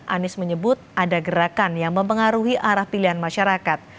anies menyebut ada gerakan yang mempengaruhi arah pilihan masyarakat